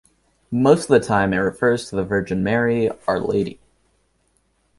Most of the time it refers to the Virgin Mary, Our Lady.